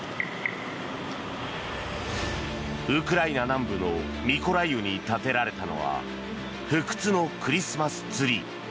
ウクライナ南部のミコライウに立てられたのは不屈のクリスマスツリー。